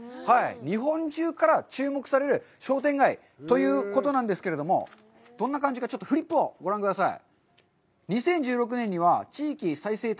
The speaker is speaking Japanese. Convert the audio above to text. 日本中から注目される商店街ということなんですけれども、どんな感じか、フリップをご覧ください。